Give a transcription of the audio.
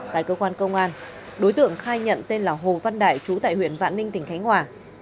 tại cơ quan công an đối tượng khai nhận tên là hồ văn đại chú tại huyện vạn ninh tỉnh khánh hòa